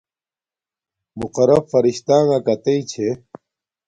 مقرب فرشتݳݣݳ کتݵئ چھݺ؟